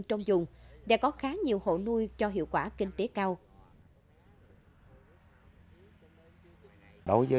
trong dùng đã có khá nhiều hộ nuôi cho hiệu quả kinh tế cao